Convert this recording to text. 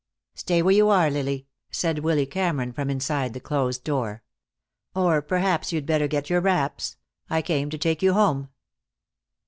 "Stay where you are, Lily," said Willy Cameron, from inside the closed door. "Or perhaps you'd better get your wraps. I came to take you home."